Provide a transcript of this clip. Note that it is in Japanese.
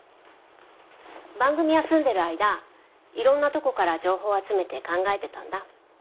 番組休んでる間いろんなとこから情報集めて考えてたんだ。